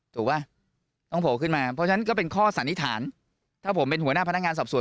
ถูกป่ะต้องโผล่ขึ้นมาเพราะฉะนั้นก็เป็นข้อสันนิษฐานถ้าผมเป็นหัวหน้าพนักงานสอบสวน